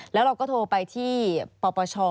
แล้วเราก็โทรไปที่ปปช